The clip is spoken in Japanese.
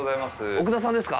奥田さんですか？